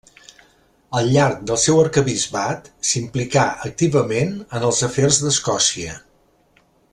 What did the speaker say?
Al llarg del seu arquebisbat, s'implicà activament en els afers d'Escòcia.